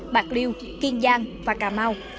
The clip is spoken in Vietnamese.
bạc liêu kiên giang và cà mau